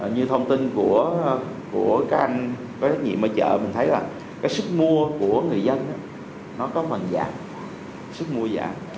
như thông tin của các anh có trách nhiệm ở chợ mình thấy là cái sức mua của người dân nó có phần giảm sức mua giảm